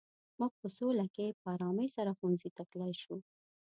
موږ په سوله کې په ارامۍ سره ښوونځي ته تلای شو.